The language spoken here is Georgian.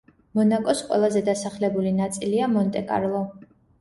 მონაკოს ყველაზე დასახლებული ნაწილია მონტე-კარლო.